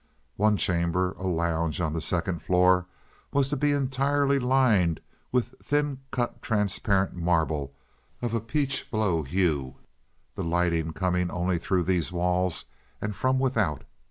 One chamber—a lounge on the second floor—was to be entirely lined with thin cut transparent marble of a peach blow hue, the lighting coming only through these walls and from without.